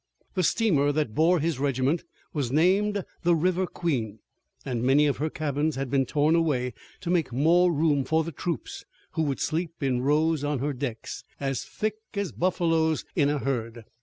The steamer that bore his regiment was named the River Queen, and many of her cabins had been torn away to make more room for the troops who would sleep in rows on her decks, as thick as buffaloes in a herd.